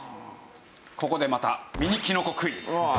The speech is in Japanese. ここでまたミニキノコクイズ。